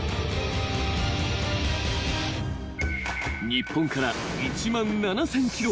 ［日本から１万７，０００ｋｍ］